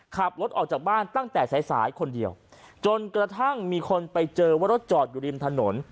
ขับรถออกจากบ้านตั้งแต่สายสายคนเดียวจนกระทั่งมีคนไปเจอว่ารถจอดอยู่ริมถนน